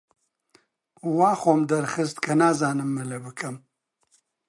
وا خۆم دەرخست کە نازانم مەلە بکەم.